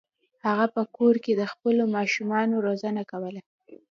هغه په کور کې د خپلو ماشومانو روزنه کوله.